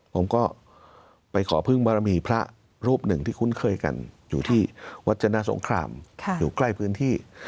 ผมก็ไปขอพึ่งบารมีพระรูปหนึ่งที่คุ้นเคยกันอยู่ที่วัฒนาสงครามอยู่ใกล้พื้นที่